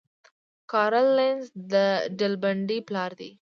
کارل لینس د ډلبندۍ پلار دی